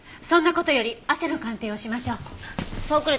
そんな事より汗の鑑定をしましょう。